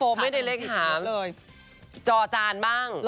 ผมไม่ได้เรียกหาจอจานบ้าง